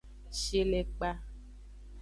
Shilekpa.